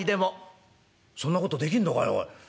「そんなことできんのかいおい。